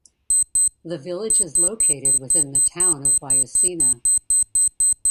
The village is located within the Town of Wyocena.